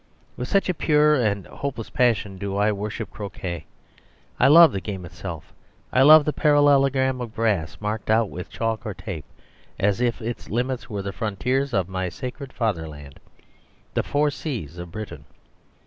With such a pure and hopeless passion do I worship croquet. I love the game itself. I love the parallelogram of grass marked out with chalk or tape, as if its limits were the frontiers of my sacred Fatherland, the four seas of Britain.